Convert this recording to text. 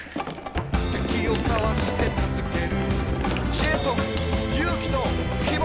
「敵をかわして助ける」「知恵と勇気と希望と」